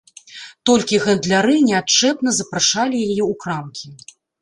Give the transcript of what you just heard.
Толькі гандляры неадчэпна запрашалі яе ў крамкі.